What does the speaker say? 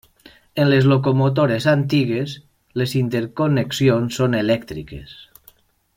En les locomotores antigues les interconnexions són elèctriques.